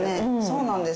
そうなんです。